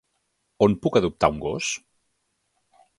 On puc adoptar un gos?